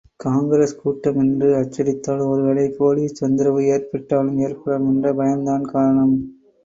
காங்கிரஸ் கூட்டம் என்று அச்சடித்தால் ஒரு வேளை போலீஸ் தொந்தரவு ஏற்பட்டாலும் ஏற்படலாம் என்ற பயம்தான் காரணம்!